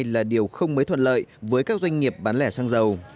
là điều không mới thuận lợi với các doanh nghiệp bán lẻ xăng dầu